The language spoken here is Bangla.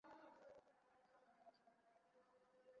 হ্যা, অবশেষে বাড়ি আসলাম!